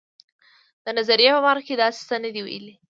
د نظریې په برخه کې داسې څه نه دي ویلي.